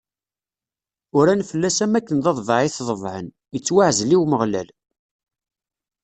Uran fell-as am akken d aḍbaɛ i t-ḍebɛen: Ittwaɛzel i Umeɣlal.